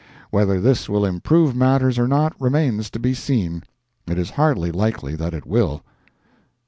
Whether this will improve matters or not, remains to be seen. It is hardly likely that it will.